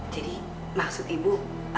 jadi maksud ibu